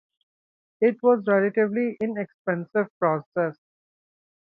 It was a relatively inexpensive process.